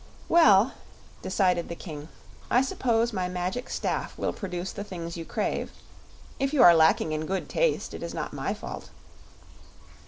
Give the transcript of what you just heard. "Well," decided the King, "I suppose my Magic Staff will produce the things you crave; if you are lacking in good taste it is not my fault."